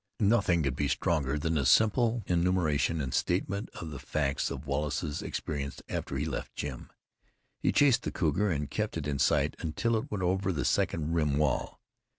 Nothing could be stronger than the simple enumeration and statement of the facts of Wallace's experience after he left Jim. He chased the cougar, and kept it in sight, until it went over the second rim wall.